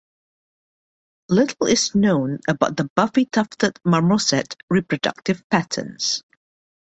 Little is known about the buffy-tufted marmoset reproductive patterns.